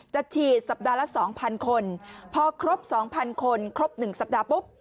จะฉีดสัปดาห์ละ๒๐๐คนพอครบ๒๐๐คนครบ๑สัปดาห์ปุ๊บ